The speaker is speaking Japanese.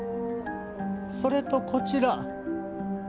それとこちら。